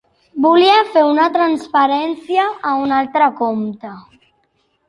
Volia fer una transferència a un altre compte.